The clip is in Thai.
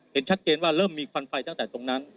เห็นชัดเจนว่าเริ่มมีควันไฟตั้งแต่ตรงนั้น